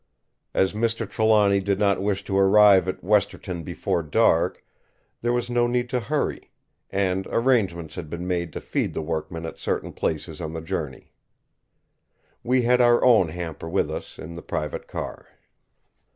As Mr. Trelawny did not wish to arrive at Westerton before dark, there was no need to hurry; and arrangements had been made to feed the workmen at certain places on the journey. We had our own hamper with us in the private car.